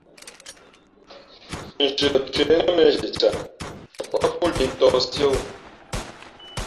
Nzhi lα cwéh nά měnzhi caʼ tα pάʼ pǒ lǐʼ ntǒh siéwū.